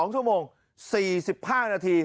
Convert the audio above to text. ๒ชั่วโมง๔๕นาที